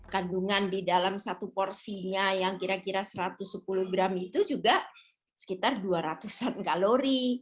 kandungan di dalam satu porsinya yang kira kira satu ratus sepuluh gram itu juga sekitar dua ratus an kalori